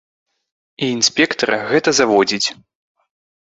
І інспектара гэта заводзіць.